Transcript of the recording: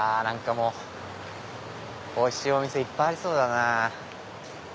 何かもうおいしいお店いっぱいありそうだなぁ。